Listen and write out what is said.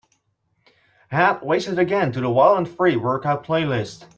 Add wastedagain to the wild & free workout playlist